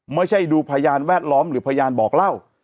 ไม่ใช่ดูพยานแวดล้อมหรือพยานบอกเล่า